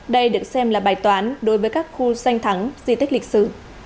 đây được xem là bài toán đối với các khu danh thắng di tích lịch sử